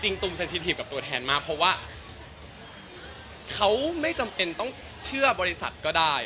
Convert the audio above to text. จริงตูมเซ็นชิคกลิปกับตัวแทนมากเขาไม่จำเป็นต้องเชื่อบริษัทก็ได้